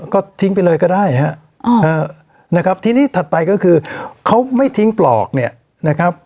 ก็ทิ้งไปเลยก็ได้ฮะนะครับทีนี้ถัดไปก็คือเขาไม่ทิ้งปลอกเนี่ยนะครับ